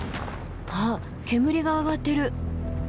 あっ煙が上がってる。